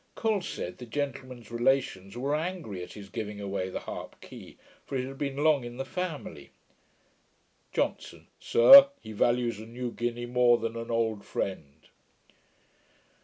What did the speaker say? Col said, the gentleman's relations were angry at his giving away the harp key, for it had been long in the family. JOHNSON. 'Sir, he values a new guinea more than an old friend.'